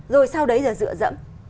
rồi sau đấy là dựa dẫm